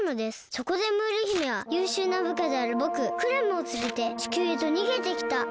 そこでムール姫はゆうしゅうな部下であるぼくクラムをつれて地球へとにげてきたというわけです。